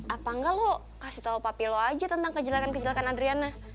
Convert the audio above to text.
apa nggak lo kasih tau papi lo aja tentang kejelekan kejelekan adriana